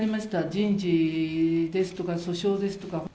人事ですとか、訴訟ですとか。